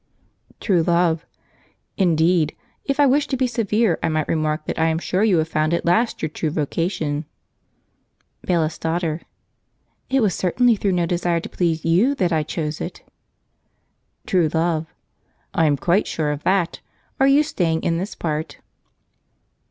True Love. "Indeed! If I wished to be severe I might remark: that I am sure you have found at last your true vocation!" Bailiff's Daughter. "It was certainly through no desire to please you that I chose it." True Love. "I am quite sure of that! Are you staying in this part?"